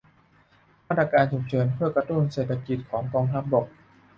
มาตรการฉุกเฉินเพื่อกระตุ้นเศรษฐกิจของกองทัพบก